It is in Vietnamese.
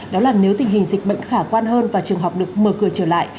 đó là nếu tình hình dịch bệnh khả quan hơn và trường học được mở cửa trở lại